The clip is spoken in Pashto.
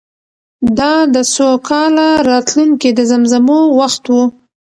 دا د سوکاله راتلونکې د زمزمو وخت و.